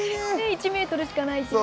１ｍしかないしね。